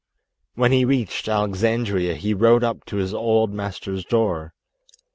When he reached Alexandria he rode up to his old master's door.